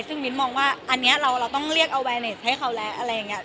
ซึ่งมิ้นต์มองว่าเราต้องเรียกแนะคะเวเนสให้เค้าแหละอะไรงี้